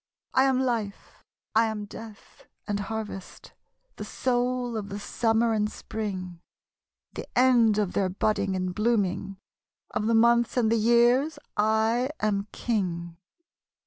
I am Life, I am Death, and Harvest, The Soul of the Summer and Sprmg, The end of their budding and blooming, Of the Months and the Years 1 am King.